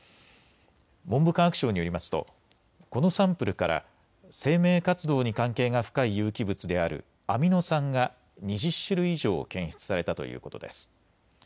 文部科学省によりますとこのサンプルから生命活動に関係が深い有機物であるアミノ酸が２０種類以上検出されたということです。